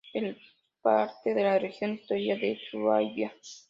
Es parte de la región histórica de Suabia.